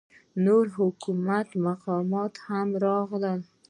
نور حکومتي مقامات هم راغلل.